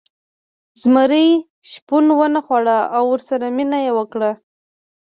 زمري شپون ونه خوړ او ورسره مینه یې وکړه.